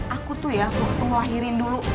aku tuh ya waktu ngelahirin dulu